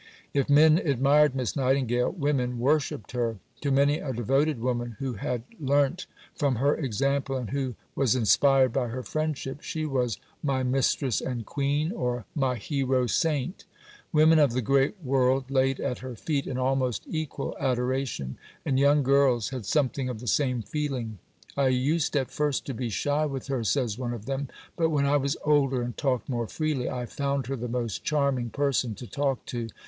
If men admired Miss Nightingale, women worshipped her. To many a devoted woman, who had learnt from her example and who was inspired by her friendship, she was "My Mistress and Queen," or "My Hero Saint." Women of the great world laid at her feet an almost equal adoration, and young girls had something of the same feeling. "I used at first to be shy with her," says one of them, "but when I was older and talked more freely, I found her the most charming person to talk to.